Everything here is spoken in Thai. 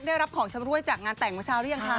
ได้รับของชำรวยจากงานแต่งเมื่อเช้าหรือยังคะ